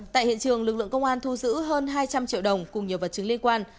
tại hiện trường lực lượng công an thu giữ hơn hai trăm linh triệu đồng cùng nhiều vật chứng liên quan